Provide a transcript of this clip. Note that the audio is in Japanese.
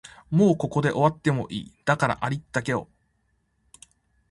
もうここで終わってもいい、だからありったけを